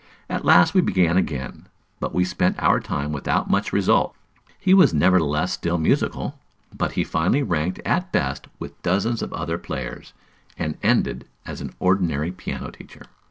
At last we began again, but we spent our time without much result; he was nevertheless still musical, but he finally ranked at best with dozens of other players, and ended as an ordinary piano teacher.